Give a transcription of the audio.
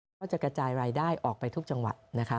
เราจะกระจายรายได้ออกไปทุกจังหวัด